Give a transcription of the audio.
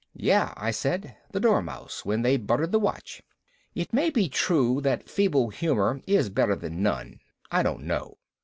"Yeah," I said. "The Dormouse, when they buttered the watch." It may be true that feeble humor is better than none. I don't know.